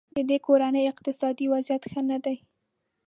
ددې کورنۍ اقتصادي وضیعت ښه نه دی.